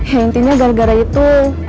ya intinya gara gara itu